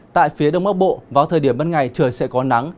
tại phía đông bắc bộ vào thời điểm bất ngay trời sẽ có nắng